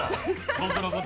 僕のこと。